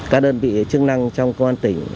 các đơn vị chức năng trong công an tỉnh